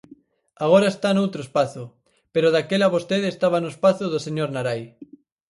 Agora está noutro espazo, pero daquela vostede estaba no espazo do señor Narai.